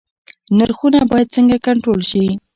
نرخونه باید څنګه کنټرول شي؟